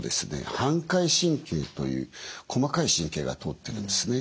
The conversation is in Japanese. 反回神経という細かい神経が通ってるんですね。